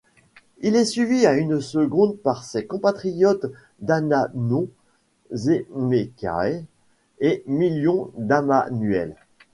Il est suivi à une seconde par ses compatriotes Adhanom Zemekael et Million Amanuel.